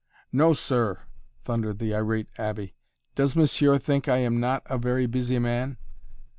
"No, sir!" thundered the irate abbé. "Does monsieur think I am not a very busy man?"